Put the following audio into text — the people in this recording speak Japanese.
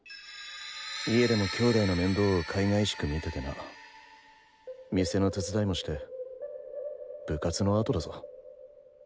家でもきょうだいの面倒をかいがいしく見ててな店の手伝いもして部活のあとだぞ。